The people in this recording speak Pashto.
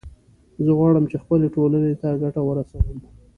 زه غواړم چې خپلې ټولنې ته ګټه ورسوم